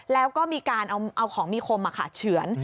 แล้วก็มีการเอาของมีคมมาขาดเฉือน